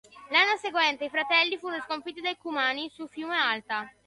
L'anno seguente i fratelli furono sconfitti dai Cumani sul fiume Alta.